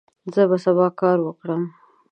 زه به سبا کار وکړم.